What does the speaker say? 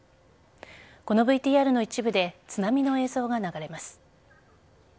このＶＴＲの一部で津波の映像が流れます。